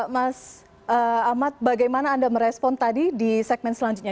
mas ahmad bagaimana anda merespon tadi di segmen selanjutnya